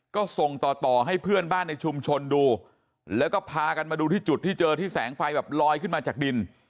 ก็ส่งต่อต่อให้เพื่อนบ้านในชุมชนดูแล้วก็พากันมาดูที่จุดที่เจอที่แสงไฟแบบลอยขึ้นมาจากดิน